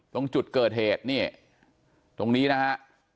ตรงจุดเกิดเหตุนี่ตรงนี้นะฮะ